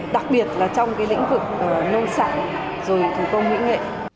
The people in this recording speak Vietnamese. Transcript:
đặc biệt là trong cái lĩnh vực nông sản rồi thủ công hữu hệ